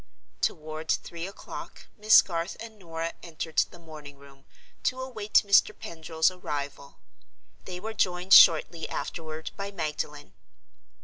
Toward three o'clock, Miss Garth and Norah entered the morning room, to await Mr. Pendril's arrival. They were joined shortly afterward by Magdalen.